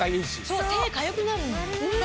そう手かゆくなるの。